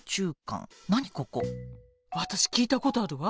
私聞いたことあるわ。